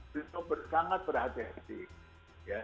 bisa sangat berhati hati ya